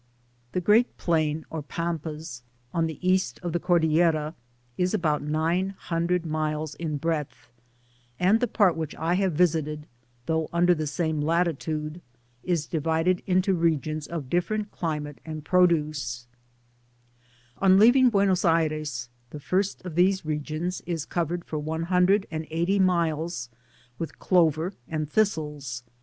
The great plain, or Pampas, on the east of the Cordillera, is about nine hundred miles in breadth, and the part which I have visited^hough under the same latitude, is divided into regicms of dif ferent climate and produce; On leaving Buenos Aires, the first of these regions is covered for one hundred and eighty miles with cloy&t and thistles ; Digitized byGoogk 07 THB PAMPAS.